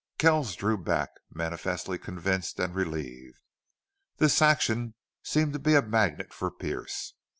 Kells drew back, manifestly convinced and relieved. This action seemed to be a magnet for Pearce.